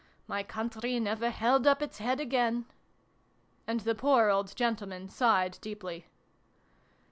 My country never held up its head again !" And the poor old gentleman sighed deeply.